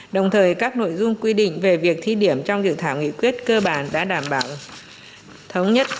đồng thời các nội dung quy định về việc thi điểm trong dự thảo nghị quyết cơ bản đã đảm bảo thống nhất